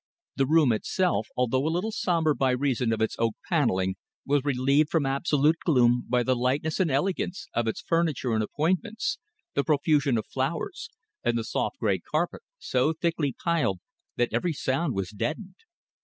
The room itself, although a little sombre by reason of its oak panelling, was relieved from absolute gloom by the lightness and elegance of its furniture and appointments, the profusion of flowers, and the soft grey carpet, so thickly piled that every sound was deadened.